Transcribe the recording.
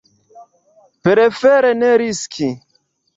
Prefere ne riski.